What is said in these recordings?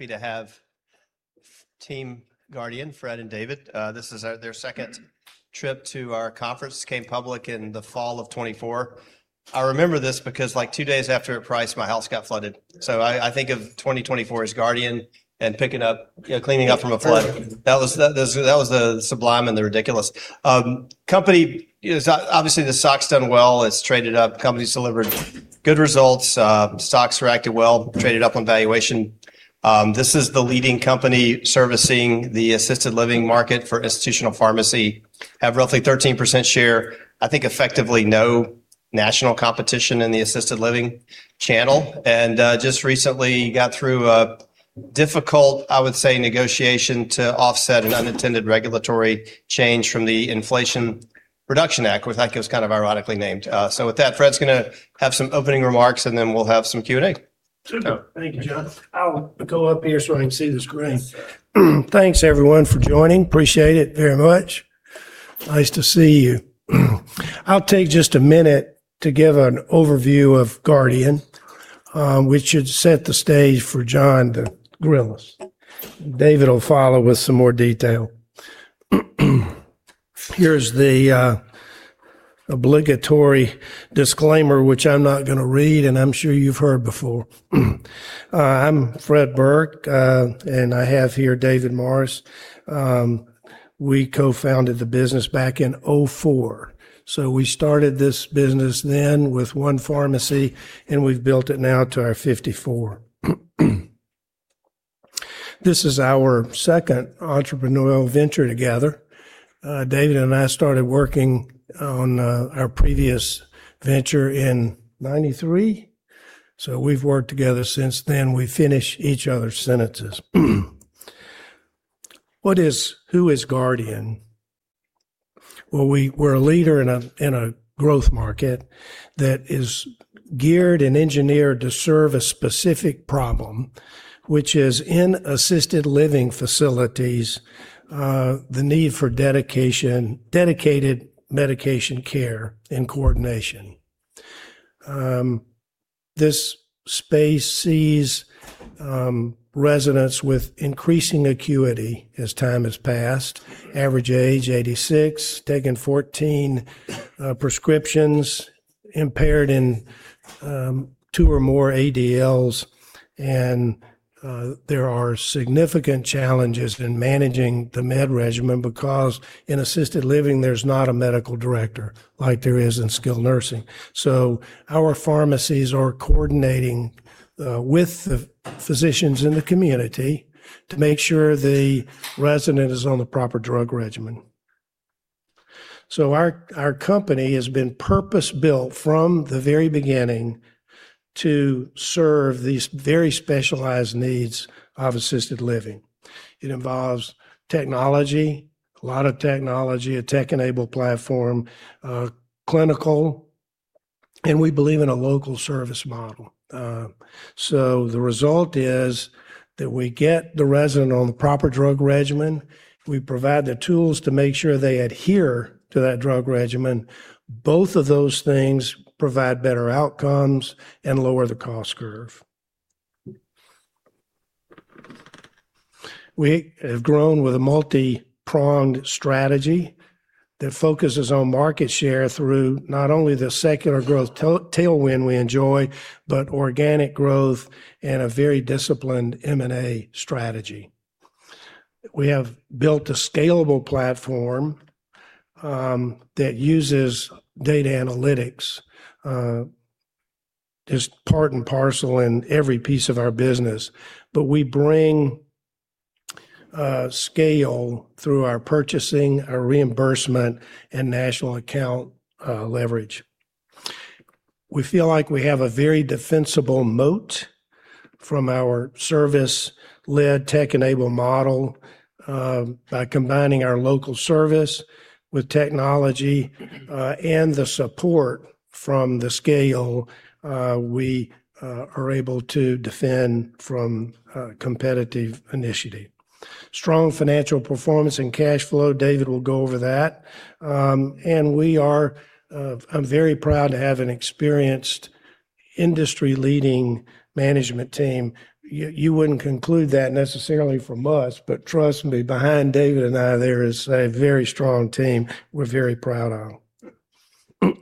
Happy to have Team Guardian, Fred and David. This is their second trip to our conference. Came public in the fall of 2024. I remember this because, like, two days after it priced, my house got flooded. I think of 2024 as Guardian and picking up, you know, cleaning up from a flood. That was the sublime and the ridiculous. Company is obviously the stock's done well. It's traded up. Company's delivered good results. Stocks are acted well, traded up on valuation. This is the leading company servicing the assisted living market for institutional pharmacy. Have roughly 13% share. I think effectively no national competition in the assisted living channel, and, just recently got through a difficult, I would say, negotiation to offset an unintended regulatory change from the Inflation Reduction Act, which I think is kind of ironically named. With that, Fred's gonna have some opening remarks, and then we'll have some Q&A. Sure. Thank you, John. I'll go up here so I can see the screen. Thanks everyone for joining. Appreciate it very much. Nice to see you. I'll take just a minute to give an overview of Guardian, which should set the stage for John to grill us. David will follow with some more detail. Here's the obligatory disclaimer, which I'm not gonna read, and I'm sure you've heard before. I'm Fred Burke, and I have here David Morris. We co-founded the business back in 2004. We started this business then with one pharmacy, and we've built it now to our 54. This is our second entrepreneurial venture together. David and I started working on our previous venture in 1993. We've worked together since then. We finish each other's sentences. Who is Guardian? We're a leader in a, in a growth market that is geared and engineered to serve a specific problem, which is in assisted living facilities, the need for dedication, dedicated medication care and coordination. This space sees residents with increasing acuity as time has passed. Average age 86, taking 14 prescriptions, impaired in two or more ADLs, and there are significant challenges in managing the med regimen because in assisted living there's not a medical director like there is in skilled nursing. Our pharmacies are coordinating with the physicians in the community to make sure the resident is on the proper drug regimen. Our company has been purpose-built from the very beginning to serve these very specialized needs of assisted living. It involves technology, a lot of technology, a tech-enabled platform, clinical, and we believe in a local service model. The result is that we get the resident on the proper drug regimen. We provide the tools to make sure they adhere to that drug regimen. Both of those things provide better outcomes and lower the cost curve. We have grown with a multi-pronged strategy that focuses on market share through not only the secular growth tailwind we enjoy, but organic growth and a very disciplined M&A strategy. We have built a scalable platform that uses data analytics as part and parcel in every piece of our business. We bring scale through our purchasing, our reimbursement, and national account leverage. We feel like we have a very defensible moat from our service-led tech-enabled model. By combining our local service with technology, and the support from the scale, we are able to defend from competitive initiative. Strong financial performance and cash flow, David will go over that. We are, I'm very proud to have an experienced industry-leading management team. You wouldn't conclude that necessarily from us, but trust me, behind David and I, there is a very strong team we're very proud of.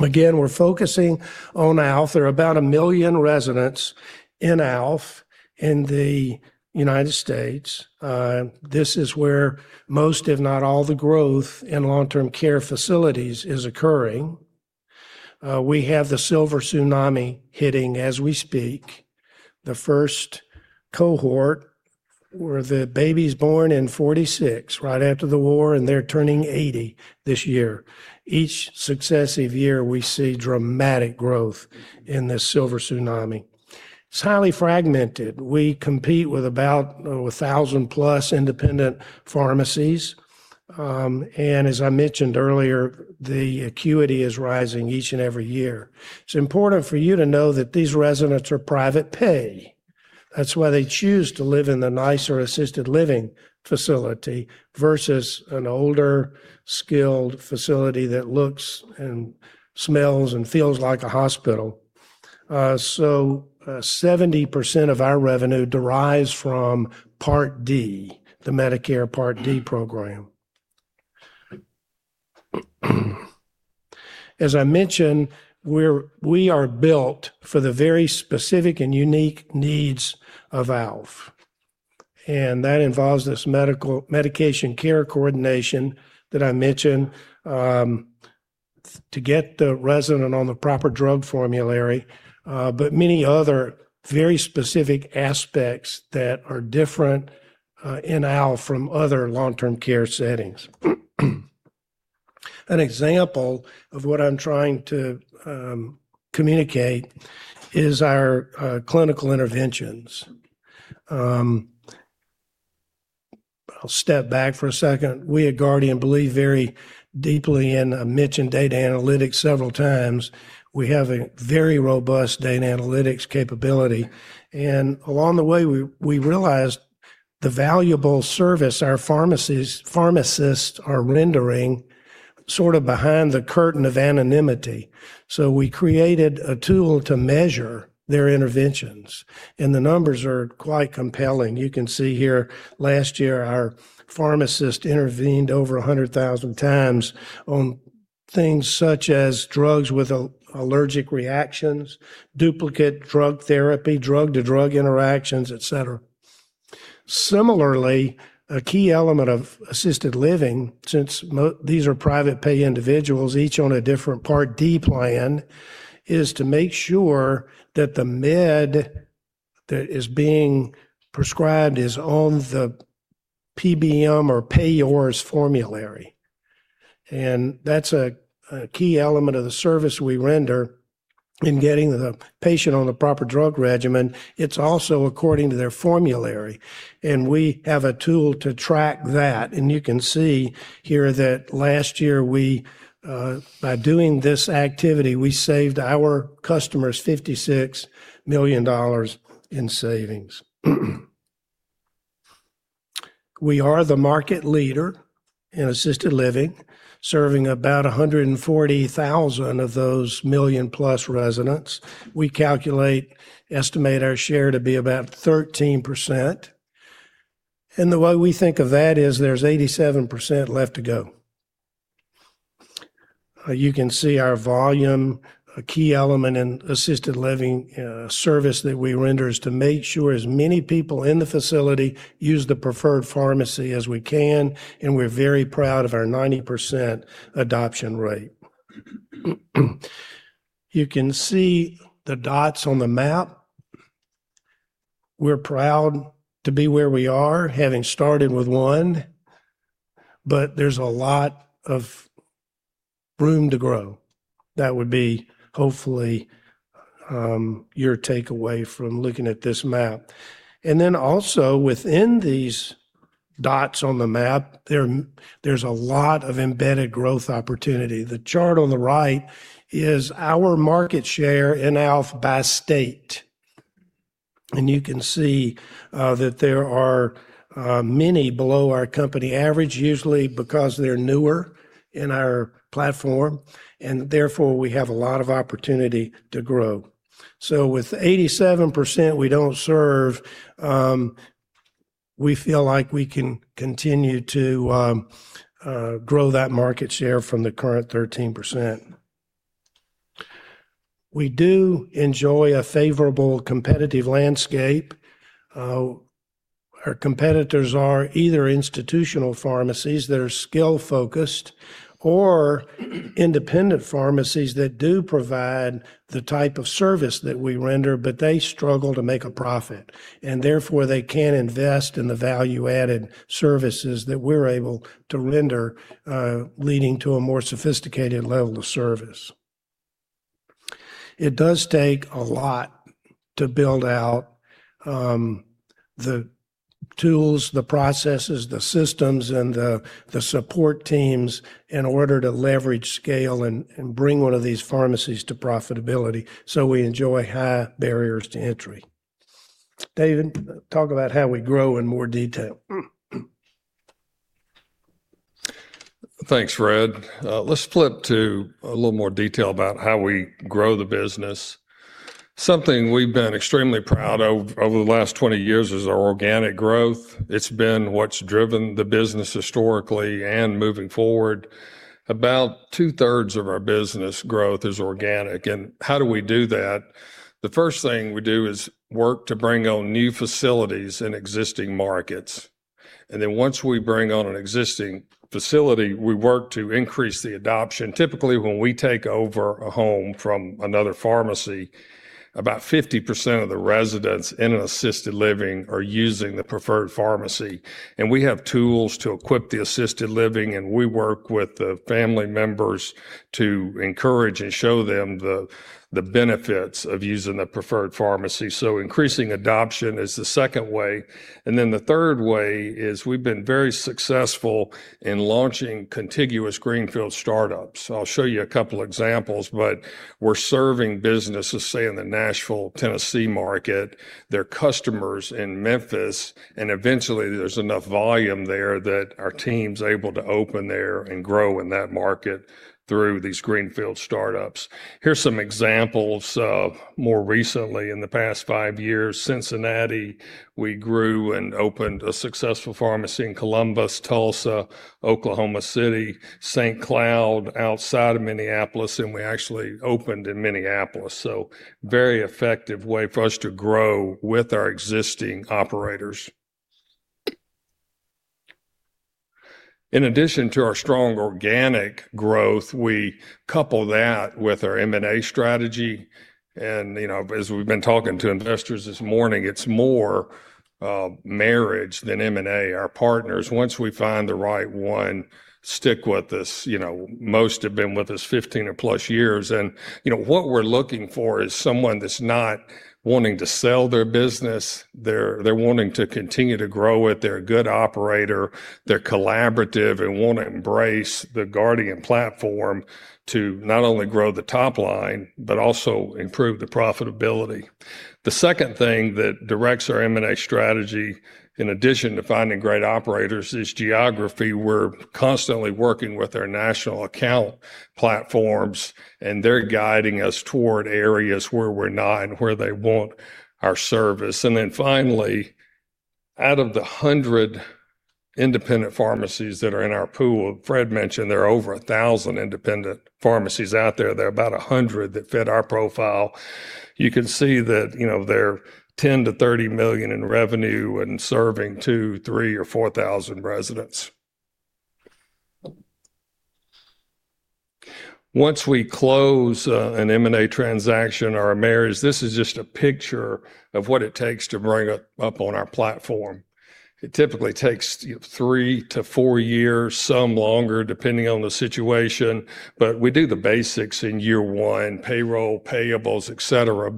Again, we're focusing on ALF. There are about a million residents in ALF in the United States. This is where most, if not all, the growth in long-term care facilities is occurring. We have the silver tsunami hitting as we speak. The first cohort were the babies born in 46, right after the war, and they're turning 80 this year. Each successive year, we see dramatic growth in this silver tsunami. It's highly fragmented. We compete with about 1,000+ independent pharmacies. As I mentioned earlier, the acuity is rising each and every year. It's important for you to know that these residents are private pay. That's why they choose to live in the nicer assisted living facility versus an older skilled facility that looks and smells and feels like a hospital. 70% of our revenue derives from Part D, the Medicare Part D program. As I mentioned, we are built for the very specific and unique needs of ALF. That involves this medication care coordination that I mentioned, to get the resident on the proper drug formulary, but many other very specific aspects that are different in ALF from other long-term care settings. An example of what I'm trying to communicate is our clinical interventions. I'll step back for a second. We at Guardian believe very deeply in, I mentioned data analytics several times. We have a very robust data analytics capability. Along the way, we realized the valuable service our pharmacists are rendering sort of behind the curtain of anonymity. We created a tool to measure their interventions, and the numbers are quite compelling. You can see here last year, our pharmacist intervened over 100,000 times on things such as drugs with allergic reactions, duplicate drug therapy, drug-to-drug interactions, et cetera. A key element of assisted living, since these are private pay individuals, each on a different Part D plan, is to make sure that the med that is being prescribed is on the PBM or payors formulary. That's a key element of the service we render in getting the patient on the proper drug regimen. It's also according to their formulary, we have a tool to track that. You can see here that last year we, by doing this activity, we saved our customers $56 million in savings. We are the market leader in assisted living, serving about 140,000 of those million-plus residents. We estimate our share to be about 13%. The way we think of that is there's 87% left to go. You can see our volume. A key element in assisted living service that we render is to make sure as many people in the facility use the preferred pharmacy as we can, and we're very proud of our 90% adoption rate. You can see the dots on the map. We're proud to be where we are, having started with one, there's a lot of room to grow. That would be hopefully, your takeaway from looking at this map. Also within these dots on the map, there's a lot of embedded growth opportunity. The chart on the right is our market share in ALF by state. You can see that there are many below our company average, usually because they're newer in our platform, and therefore we have a lot of opportunity to grow. With 87% we don't serve, we feel like we can continue to grow that market share from the current 13%. We do enjoy a favorable competitive landscape. Our competitors are either institutional pharmacies that are skill-focused or independent pharmacies that do provide the type of service that we render, but they struggle to make a profit, and therefore they can't invest in the value-added services that we're able to render, leading to a more sophisticated level of service. It does take a lot to build out the tools, the processes, the systems, and the support teams in order to leverage scale and bring one of these pharmacies to profitability. We enjoy high barriers to entry. David, talk about how we grow in more detail. Thanks, Fred. Let's flip to a little more detail about how we grow the business. Something we've been extremely proud of over the last 20 years is our organic growth. It's been what's driven the business historically and moving forward. About two-thirds of our business growth is organic. How do we do that? The first thing we do is work to bring on new facilities in existing markets. Once we bring on an existing facility, we work to increase the adoption. Typically, when we take over a home from another pharmacy, about 50% of the residents in an assisted living are using the preferred pharmacy. We have tools to equip the assisted living, and we work with the family members to encourage and show them the benefits of using the preferred pharmacy. Increasing adoption is the second way. The third way is we've been very successful in launching contiguous greenfield startups. I'll show you a couple examples, but we're serving businesses, say, in the Nashville, Tennessee market. They're customers in Memphis, and eventually there's enough volume there that our team's able to open there and grow in that market through these greenfield startups. Here's some examples of more recently in the past five years. Cincinnati, we grew and opened a successful pharmacy in Columbus, Tulsa, Oklahoma City, Saint Cloud, outside of Minneapolis, and we actually opened in Minneapolis. Very effective way for us to grow with our existing operators. In addition to our strong organic growth, we couple that with our M&A strategy. You know, as we've been talking to investors this morning, it's more, marriage than M&A. Our partners, once we find the right one, stick with us. You know, most have been with us 15 or plus years. You know, what we're looking for is someone that's not wanting to sell their business. They're wanting to continue to grow it. They're a good operator. They're collaborative and wanna embrace the Guardian platform to not only grow the top line, but also improve the profitability. The second thing that directs our M&A strategy in addition to finding great operators is geography. We're constantly working with our national account platforms, and they're guiding us toward areas where we're not and where they want our service. Finally, out of the 100 independent pharmacies that are in our pool, Fred mentioned there are over 1,000 independent pharmacies out there. There are about 100 that fit our profile. You can see that, you know, they're $10 million-$30 million in revenue and serving 2,000, 3,000 or 4,000 residents. Once we close an M&A transaction or a marriage, this is just a picture of what it takes to bring it up on our platform. It typically takes three to four years, some longer depending on the situation, but we do the basics in year one, payroll, payables, et cetera.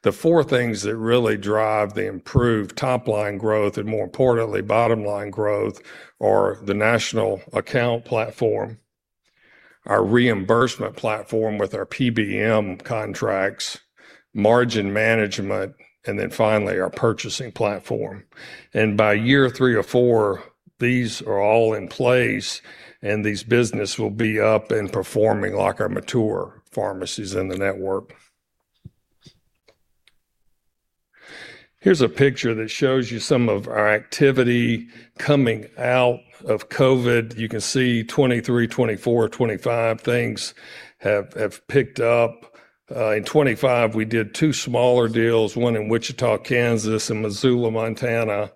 The four things that really drive the improved top-line growth, and more importantly, bottom-line growth are the national account platform, our reimbursement platform with our PBM contracts, margin management, then finally, our purchasing platform. By year three or four, these are all in place, and these business will be up and performing like our mature pharmacies in the network. Here's a picture that shows you some of our activity coming out of COVID. You can see 2023, 2024, 2025, things have picked up. In 2025 we did two smaller deals, one in Wichita, Kansas and Missoula, Montana.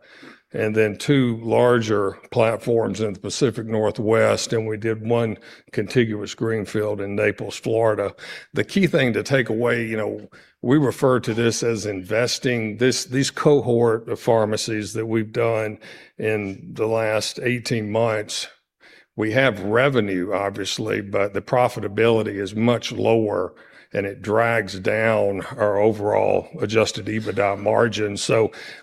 Then two larger platforms in the Pacific Northwest, we did one contiguous greenfield in Naples, Florida. The key thing to take away, you know, we refer to this as investing. These cohort of pharmacies that we've done in the last 18 months, we have revenue obviously, but the profitability is much lower, it drags down our overall Adjusted EBITDA margin.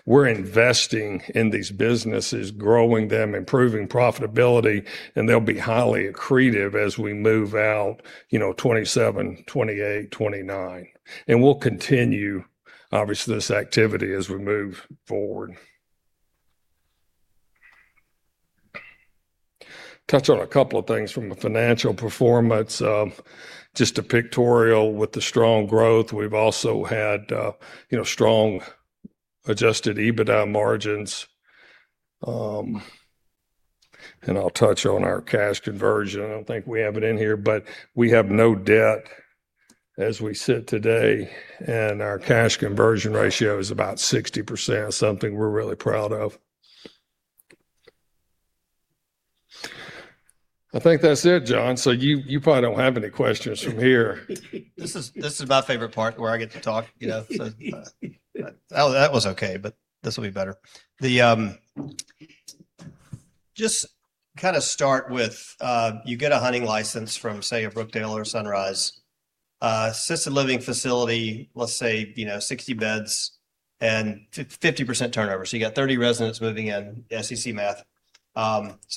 We're investing in these businesses, growing them, improving profitability, they'll be highly accretive as we move out, you know, 2027, 2028, 2029. We'll continue, obviously, this activity as we move forward. Touch on a couple of things from the financial performance. Just a pictorial with the strong growth. We've also had, you know, strong Adjusted EBITDA margins. I'll touch on our cash conversion. I don't think we have it in here, but we have no debt as we sit today, and our cash conversion ratio is about 60%, something we're really proud of. I think that's it, John. You probably don't have any questions from here. This is my favorite part where I get to talk, you know? That was okay, but this will be better. Just kinda start with, you get a hunting license from, say, a Brookdale or a Sunrise assisted living facility, let's say, you know, 60 beds and 50% turnover. You got 30 residents moving in, SEC math.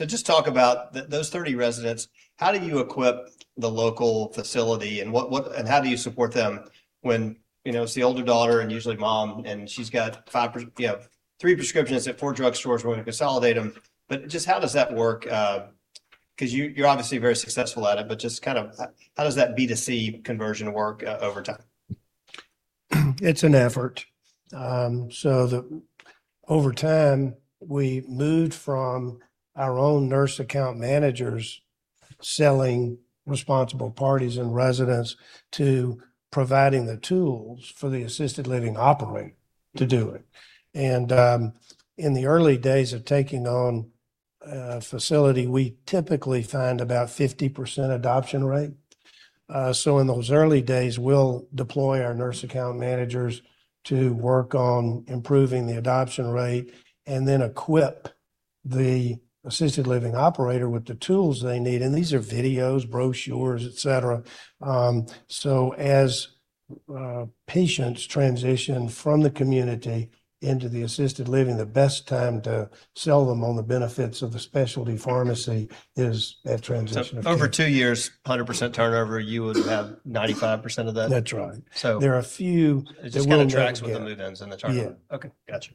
Just talk about those 30 residents. How do you equip the local facility and how do you support them when, you know, it's the older daughter and usually mom, and she's got five, you know, three prescriptions at four drugstores. We're gonna consolidate them. Just how does that work? 'Cause you're obviously very successful at it, but just kind of how does that B2C conversion work over time? It's an effort. Over time, we moved from our own Nurse Account Managers selling responsible parties and residents to providing the tools for the assisted living operator to do it. In the early days of taking on a facility, we typically find about 50% adoption rate. In those early days, we'll deploy our Nurse Account Managers to work on improving the adoption rate and then equip the assisted living operator with the tools they need. These are videos, brochures, et cetera. As patients transition from the community into the assisted living, the best time to sell them on the benefits of a specialty pharmacy is at transition of care. Over two years, 100% turnover, you would have 95% of that. That's right. So- There are a few that will never get- It just kinda tracks with the move-ins and the turnover. Yeah. Okay. Gotcha.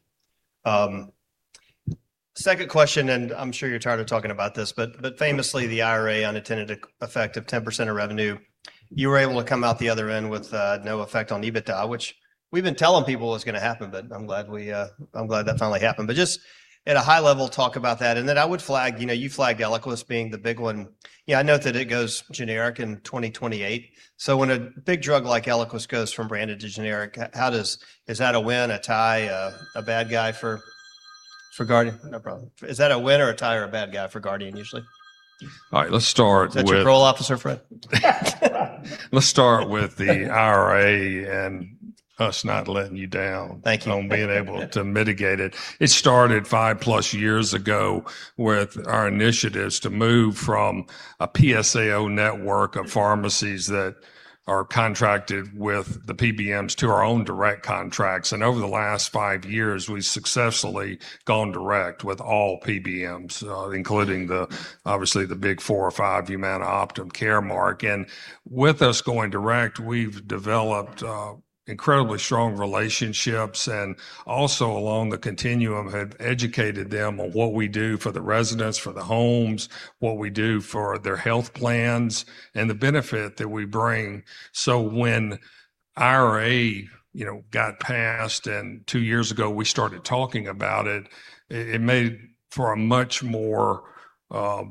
Second question, I'm sure you're tired of talking about this, but famously, the IRA unintended effect of 10% of revenue, you were able to come out the other end with no effect on EBITDA, which we've been telling people was gonna happen, but I'm glad that finally happened. Just at a high level, talk about that. Then I would flag, you know, you flagged Eliquis being the big one. Yeah, I know that it goes generic in 2028. When a big drug like Eliquis goes from branded to generic, is that a win, a tie, a bad guy for Guardian usually? All right, let's start. Is that your parole officer, Fred? Let's start with the IRA and us not letting you down... Thank you. -on being able to mitigate it. It started five plus years ago with our initiatives to move from a PSAO network of pharmacies that are contracted with the PBMs to our own direct contracts. Over the last five years, we've successfully gone direct with all PBMs, including the obviously the big four or five, Humana, Optum, Caremark. With us going direct, we've developed incredibly strong relationships, and also along the continuum have educated them on what we do for the residents, for the homes, what we do for their health plans and the benefit that we bring. When IRA, you know, got passed, and two years ago we started talking about it made for a much more, I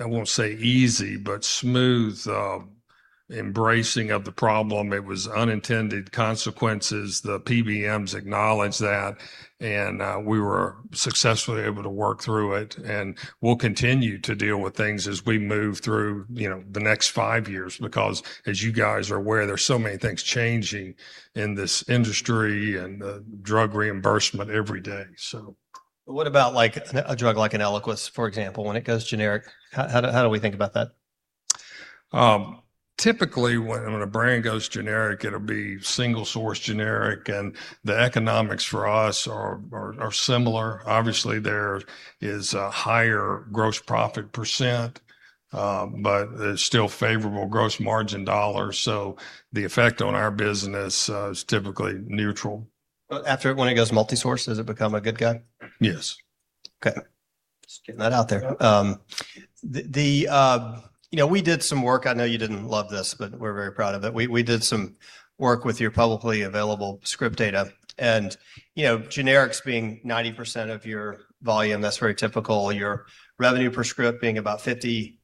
won't say easy but smooth, embracing of the problem. It was unintended consequences. The PBMs acknowledged that, and we were successfully able to work through it. We'll continue to deal with things as we move through, you know, the next five years because as you guys are aware, there's so many things changing in this industry and, drug reimbursement every day, so. What about like a drug like Eliquis, for example, when it goes generic, how do we think about that? Typically when a brand goes generic, it'll be single-source generic. The economics for us are similar. Obviously, there is a higher gross profit percent, but there's still favorable gross margin dollars. The effect on our business is typically neutral. After, when it goes multi-source, does it become a good guy? Yes. Okay. Just getting that out there. You know, we did some work. I know you didn't love this, we're very proud of it. We did some work with your publicly available script data and, you know, generics being 90% of your volume, that's very typical. Your revenue per script being about $50.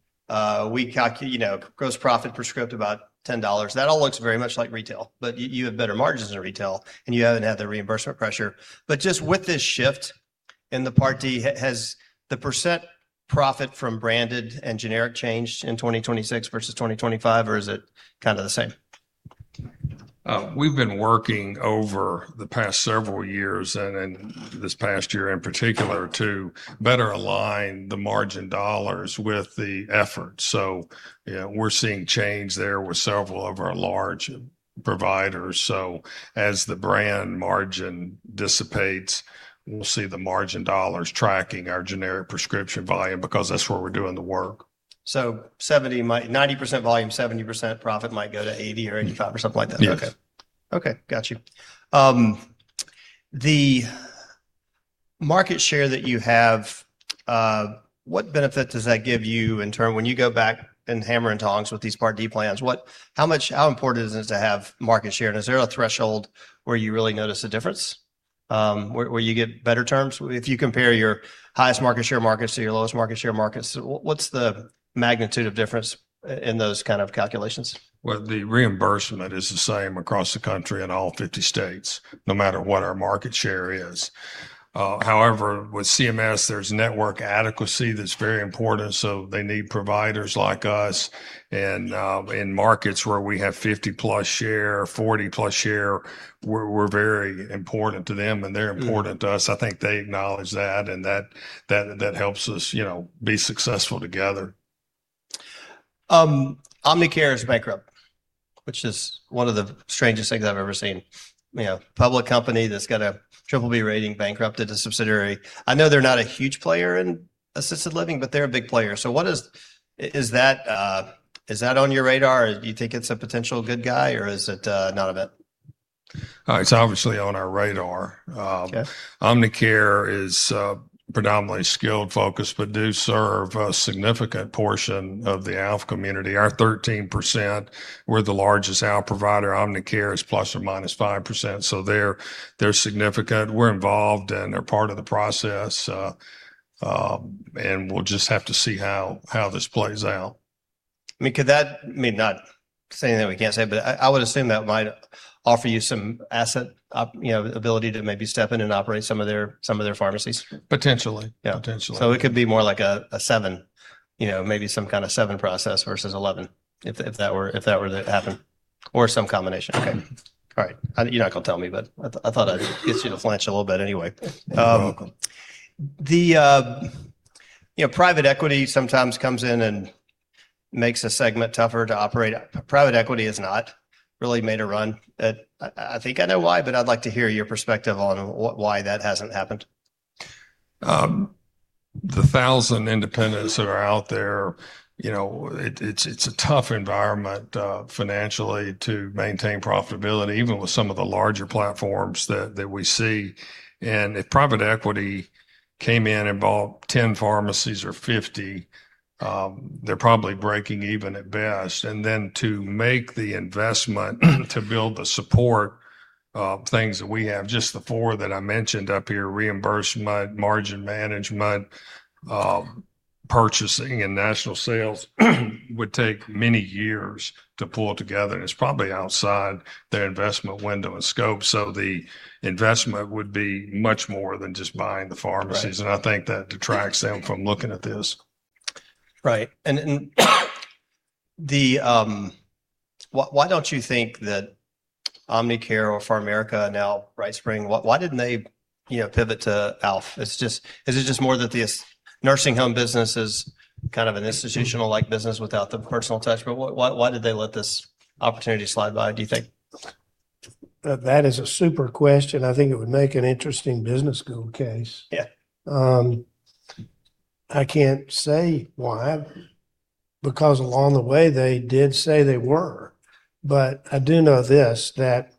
You know, gross profit per script about $10. That all looks very much like retail, you have better margins than retail, and you haven't had the reimbursement pressure. Just with this shift in the Part D, has the percent profit from branded and generic changed in 2026 versus 2025, or is it kind of the same? We've been working over the past several years and in this past year in particular to better align the margin dollars with the effort. You know, we're seeing change there with several of our large providers. As the brand margin dissipates, we'll see the margin dollars tracking our generic prescription volume because that's where we're doing the work. So, 90% volume, 70% profit might go to 80% or 85% or something like that? Yes. Okay. Got you. The market share that you have, what benefit does that give you in turn when you go back in hammer and tongs with these Part D plans? How important is it to have market share? Is there a threshold where you really notice a difference, where you get better terms? If you compare your highest market share markets to your lowest market share markets, what's the magnitude of difference in those kind of calculations? Well, the reimbursement is the same across the country in all 50 states, no matter what our market share is. However, with CMS, there's network adequacy that's very important, so they need providers like us. In markets where we have 50+ share, 40+ share, we're very important to them, and they're important to us. I think they acknowledge that, and that helps us, you know, be successful together. Omnicare is bankrupt, which is one of the strangest things I've ever seen. You know, public company that's got a Triple-B rating bankrupted a subsidiary. I know they're not a huge player in assisted living, but they're a big player. Is that on your radar? Do you think it's a potential good guy, or is it not event? It's obviously on our radar. Okay. Omnicare is predominantly skilled focused but do serve a significant portion of the ALF community. Our 13%, we're the largest ALF provider. Omnicare is ±5%, so they're significant. We're involved, and they're part of the process. We'll just have to see how this plays out. I mean, I mean, not saying that we can't say, but I would assume that might offer you some asset you know, ability to maybe step in and operate some of their pharmacies. Potentially. Yeah. Potentially. It could be more like a seven, you know, maybe some kind of seven process versus 11 if that were to happen or some combination. Mm-hmm. Okay. All right. I think you're not gonna tell me, but I thought I'd get you to flinch a little bit anyway. You're welcome. The, you know, private equity sometimes comes in and makes a segment tougher to operate. Private equity has not really made a run at... I think I know why, but I'd like to hear your perspective on why that hasn't happened. The 1,000 independents that are out there, you know, it's a tough environment financially to maintain profitability, even with some of the larger platforms that we see. If private equity came in and bought 10 pharmacies or 50, they're probably breaking even at best. Then to make the investment to build the support, things that we have, just the four that I mentioned up here, reimbursement, margin management. Purchasing and national sales would take many years to pull together, and it's probably outside their investment window and scope. The investment would be much more than just buying the pharmacies. Right. I think that detracts them from looking at this. Right. Why don't you think that Omnicare or PharMerica, now BrightSpring, why didn't they, you know, pivot to ALF? Is it just more that the nursing home business is kind of an institutional? Mm.... like business without the personal touch? Why, why did they let this opportunity slide by, do you think? That is a super question. I think it would make an interesting business school case. Yeah. I can't say why, because along the way they did say they were. I do know this, that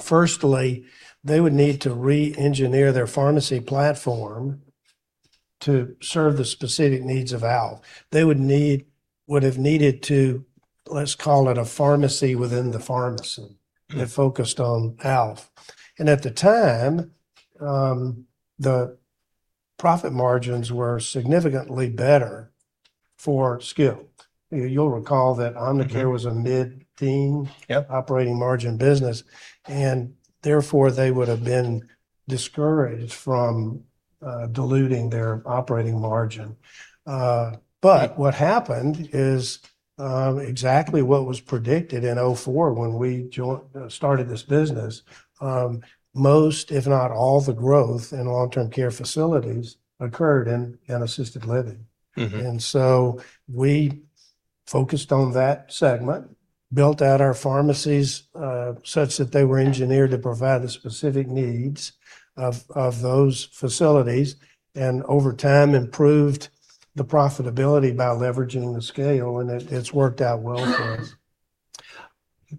firstly, they would need to re-engineer their pharmacy platform to serve the specific needs of ALF. They would've needed to, let's call it a pharmacy within the pharmacy- Mm-hmm.... that focused on ALF. At the time, the profit margins were significantly better for skilled. You'll recall that Omnicare- Mm-hmm.... was a mid-teen- Yep.... operating margin business, and therefore they would have been discouraged from diluting their operating margin. Right. What happened is exactly what was predicted in 2004 when we started this business. Most, if not all the growth in long-term care facilities occurred in assisted living. Mm-hmm. We focused on that segment, built out our pharmacies, such that they were engineered to provide the specific needs of those facilities, and over time improved the profitability by leveraging the scale, and it's worked out well for us.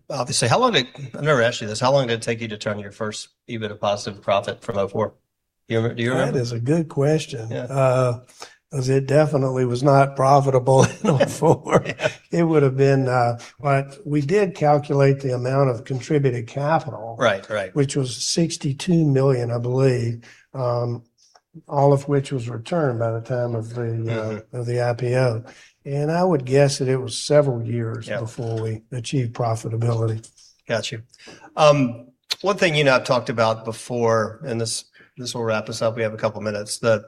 Obviously. I never asked you this, how long did it take you to turn your first EBITDA positive profit from 2004? Do you remember? That is a good question. Yeah. 'Cause it definitely was not profitable in 2004. Yeah. It would've been. We did calculate the amount of contributed capital- Right. Right.... which was $62 million, I believe, all of which was returned by the time of- Mm-hmm.... of the IPO. I would guess that it was several years- Yeah.... before we achieved profitability. Got you. One thing you and I have talked about before, and this will wrap us up, we have a couple minutes. The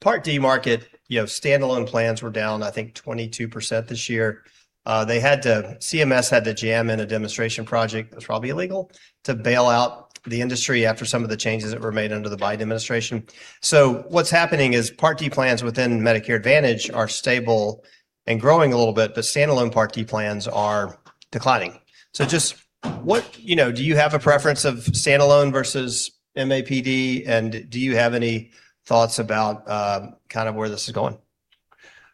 Part D market, you know, standalone plans were down, I think, 22% this year. CMS had to jam in a demonstration project that's probably illegal to bail out the industry after some of the changes that were made under the Biden administration. What's happening is Part D plans within Medicare Advantage are stable and growing a little bit, but standalone Part D plans are declining. You know, do you have a preference of standalone versus MAPD, and do you have any thoughts about kind of where this is going?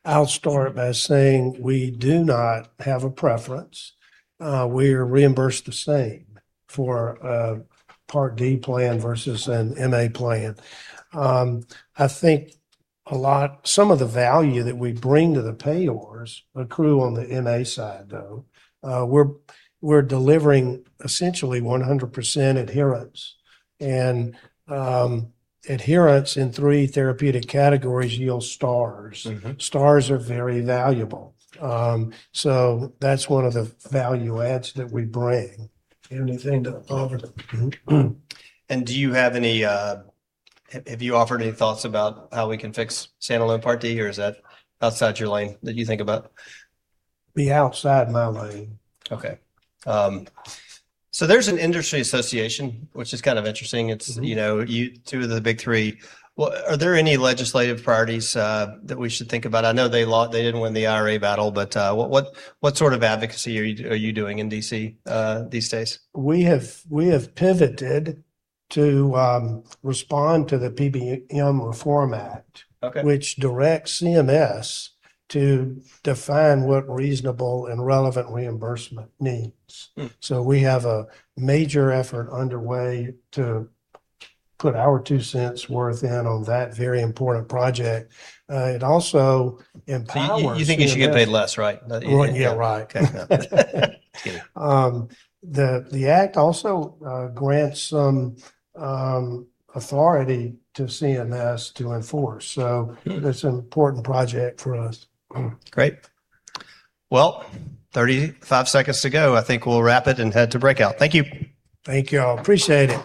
I'll start by saying we do not have a preference. We're reimbursed the same for a Part D plan versus an MA plan. I think a lot, some of the value that we bring to the payers accrue on the MA side, though. We're delivering essentially 100% adherence. Adherence in three therapeutic categories yield stars. Mm-hmm. Stars are very valuable. That's one of the value adds that we bring. Anything to offer? Do you have any have you offered any thoughts about how we can fix standalone Part D, or is that outside your lane that you think about? Be outside my lane. Okay. There's an industry association which is kind of interesting. Mm-hmm. It's, you know, two of the big three. Well, are there any legislative priorities that we should think about? I know they didn't win the IRA battle. What sort of advocacy are you doing in D.C. these days? We have pivoted to respond to the PBM Reform Act- Okay.... which directs CMS to define what reasonable and relevant reimbursement means. Mm. We have a major effort underway to put our two cents' worth in on that very important project. It also empowers CMS. You think you should get paid less, right? Well, yeah, right. Okay. Just kidding. The act also grants some authority to CMS to enforce. Mm. So, it's an important project for us. Great. Well, 35 seconds to go. I think we'll wrap it and head to breakout. Thank you. Thank y'all. Appreciate it.